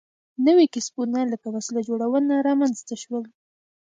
نوي کسبونه لکه وسله جوړونه رامنځته شول.